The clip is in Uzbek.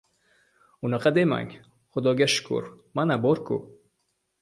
— Unaqa demang, Xudoga shukur, mana bor-ku.